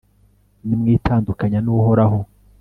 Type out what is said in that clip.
nimwitandukanya n'uhoraho